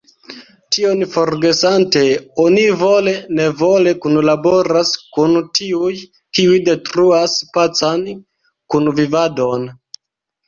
Tion forgesante, oni vole-nevole kunlaboras kun tiuj, kiuj detruas pacan kunvivadon.